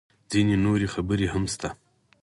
_ځينې نورې خبرې هم شته.